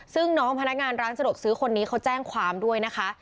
ซึ่งน้องพนักงานร้านสะดวกซื้อคนนี้เขาแจ้งความด้วยนะคะ